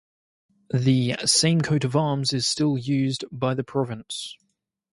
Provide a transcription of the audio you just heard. The same coat of arms is still used by the province.